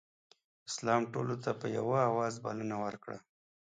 اسلام ټولو ته په یوه اواز بلنه ورکړه.